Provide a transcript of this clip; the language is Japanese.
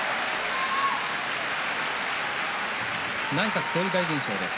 内閣総理大臣賞です。